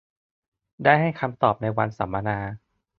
ได้ให้คำตอบในวันสัมมนา